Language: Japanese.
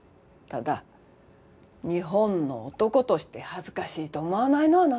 ただ日本の男として恥ずかしいと思わないの？